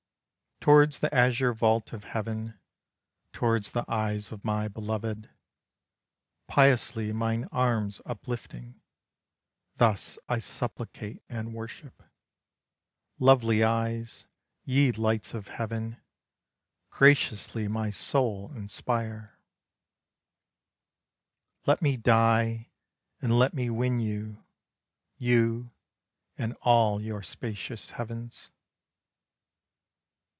Towards the azure vault of heaven, Towards the eyes of my belovèd, Piously mine arms uplifting, Thus I supplicate and worship; Lovely eyes, ye lights of heaven, Graciously my soul inspire Let me die and let me win you, You and all your spacious heavens.